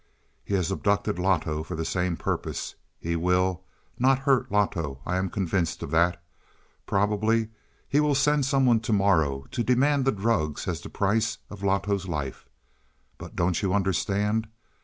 "He has abducted Loto for the same purpose. He will not hurt Loto I am convinced of that. Probably he will send someone to morrow to demand the drugs as the price of Loto's life. But don't you understand?